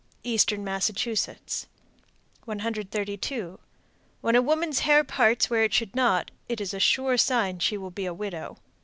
Eastern Massachusetts. 132. When a woman's hair parts where it should not, it is a sure sign she will be a widow.